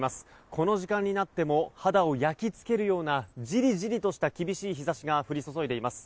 この時間になっても肌を焼き付けるようなじりじりとした厳しい日差しが降り注いでいます。